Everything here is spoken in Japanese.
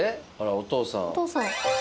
お父さん。